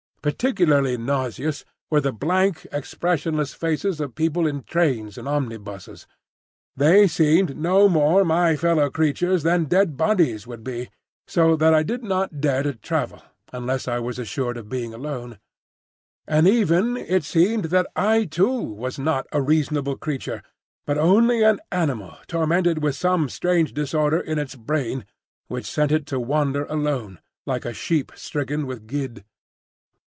Particularly nauseous were the blank, expressionless faces of people in trains and omnibuses; they seemed no more my fellow creatures than dead bodies would be, so that I did not dare to travel unless I was assured of being alone. And even it seemed that I too was not a reasonable creature, but only an animal tormented with some strange disorder in its brain which sent it to wander alone, like a sheep stricken with gid.